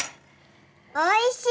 おいしい？